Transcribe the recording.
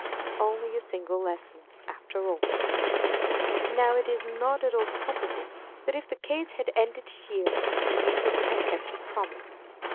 Only a Single Lesson, after all. Now it is not at all probable that if the case had ended here, Louisa would have kept her promise.